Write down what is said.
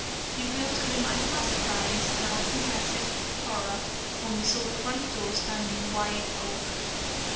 You girls can imagine our surprise, and I'll confess it, horror, when we saw the front door standing wide open."